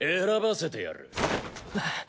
選ばせてやる。